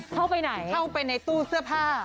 เข้าไปไหนเข้าไปในตู้เสื้อผ้า